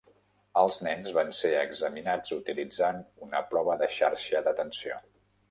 Els nens van ser examinats utilitzant una prova de xarxa d'atenció.